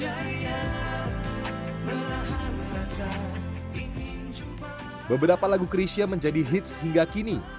karir yang menjadikan almarhum krisha menjadi hits hingga kini